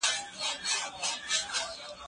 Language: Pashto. د کرونا وبا موږ ته د نږدېوالي او مینې ارزښت راوښود.